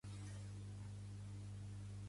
Que un llamp et migparteixi